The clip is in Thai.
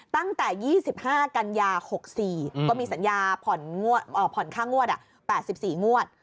ตั้งแต่๒๕กันยา๖๔ก็มีสัญญาผ่อนค่างวด๘๔งวด